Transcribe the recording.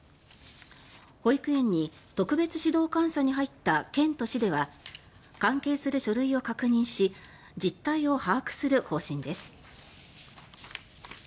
保育園に特別指導監査に入った県と市では関係する書類を確認し実態を把握する方針です。